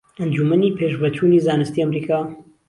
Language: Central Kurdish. ئەنجوومەنی پێشڤەچوونی زانستی ئەمریكا